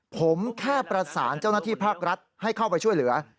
ผมแค่ประสานเจ้าหน้าที่ภาครัฐให้เข้าไปช่วยเหลือ